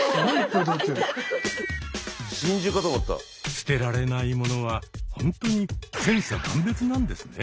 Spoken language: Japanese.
捨てられない物はほんとに千差万別なんですね。